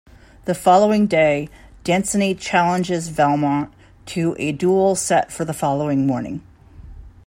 The following day, Danceny challenges Valmont to a duel set for the following morning.